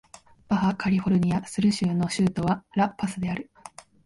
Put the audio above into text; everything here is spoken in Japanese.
バハ・カリフォルニア・スル州の州都はラ・パスである